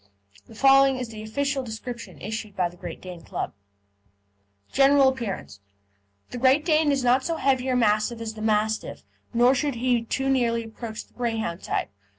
The following is the official description issued by the Great Dane Club: GENERAL APPEARANCE The Great Dane is not so heavy or massive as the Mastiff, nor should he too nearly approach the Greyhound type.